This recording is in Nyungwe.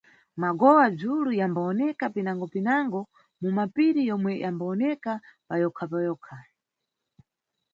Magowa-dzulu yambawoneka pinango-pinango mu mapiri yomwe yambawoneka payokha-payokha.